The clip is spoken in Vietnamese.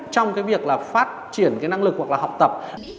trong việc phát triển năng lực hoặc học tập